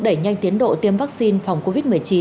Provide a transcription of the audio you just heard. đẩy nhanh tiến độ tiêm vaccine phòng covid một mươi chín